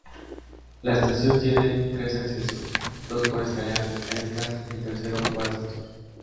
La estación tiene tres accesos, dos por escaleras mecánicas y el tercero por ascensor.